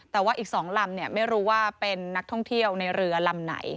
แต่ว่าอีก๒ลำไม่รู้ว่าเป็นนักท่องเที่ยวในเรือลำไหน